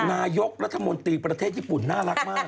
นายกรัฐมนตรีประเทศญี่ปุ่นน่ารักมาก